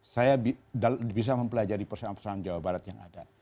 saya bisa mempelajari persoalan persoalan jawa barat yang ada